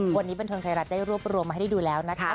วันนี้บรรทน์ไทยรัฐได้รวบรวมมาให้ดูแล้วนะครับ